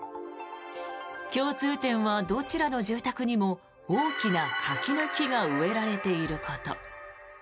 共通点はどちらの住宅にも大きな柿の木が植えられていること。